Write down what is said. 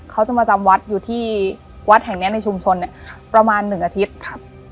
เขาจะมาจำวัดอยู่ที่วัดแห่งเนี้ยในชุมชนเนี้ยประมาณหนึ่งอาทิตย์ครับ